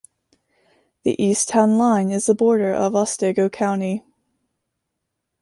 The east town line is the border of Otsego County.